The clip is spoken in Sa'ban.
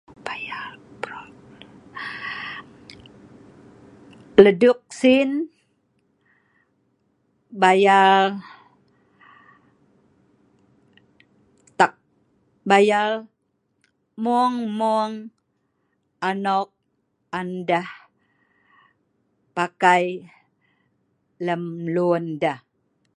Le’ duit sin, nan bayar anok on deh mat, lem lun deh.